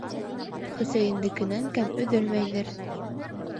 Хөсәйендекенән кәм өҙөлмәйҙер.